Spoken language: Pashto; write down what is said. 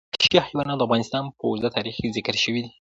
وحشي حیوانات د افغانستان په اوږده تاریخ کې ذکر شوي دي.